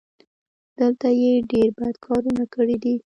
دلته یې ډېر بد کارونه کړي دي.